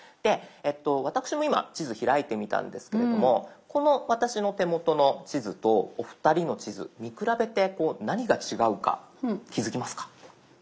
私も今地図開いてみたんですけれどもこの私の手元の地図とお二人の地図見比べて何が違うか気付きますか？